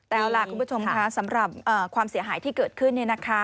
แต่เอาล่ะคุณผู้ชมค่ะสำหรับความเสียหายที่เกิดขึ้น